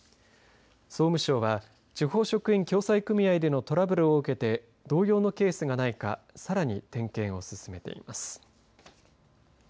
総務省は地方職員共済組合でのトラブルを受けて同様のケースがないかさらに点検を進めています。